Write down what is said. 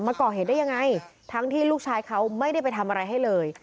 มาก่อเหตุได้ยังไงทั้งที่ลูกชายเขาไม่ได้ไปทำอะไรให้เลย